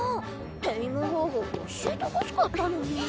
テイム方法教えてほしかったのに。